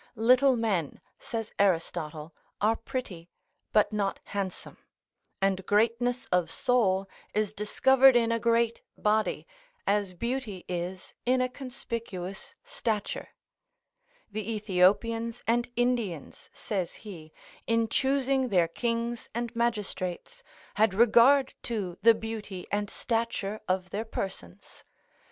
Little men, says Aristotle, are pretty, but not handsome; and greatness of soul is discovered in a great body, as beauty is in a conspicuous stature: the Ethiopians and Indians, says he, in choosing their kings and magistrates, had regard to the beauty and stature of their persons.